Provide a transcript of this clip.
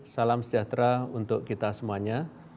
salam sejahtera untuk kita semuanya